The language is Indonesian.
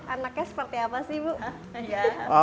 anaknya seperti apa sih ibu